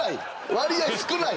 割合少ない！